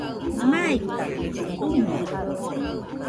Maikajɨ tuiño